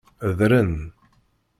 Ḍren.